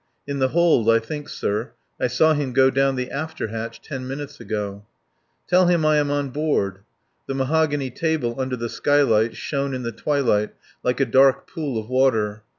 "In the hold, I think, sir. I saw him go down the after hatch ten minutes ago." "Tell him I am on board." The mahogany table under the skylight shone in the twilight like a dark pool of water.